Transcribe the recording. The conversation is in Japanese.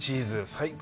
最高。